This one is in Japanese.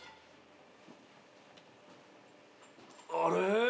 あれ？